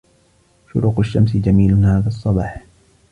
شروق الشمس جميل هذا الصباح.